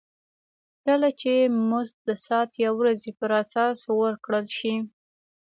کله چې مزد د ساعت یا ورځې پر اساس ورکړل شي